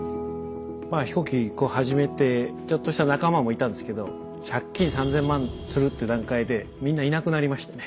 まあ飛行機こう始めてちょっとした仲間もいたんですけど借金３０００万するっていう段階でみんないなくなりましたね。